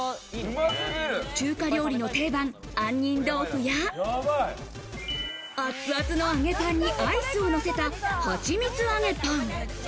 中華料理の定番アンニンドウフや、熱々の揚げパンにアイスをのせた、はちみつ揚げパン。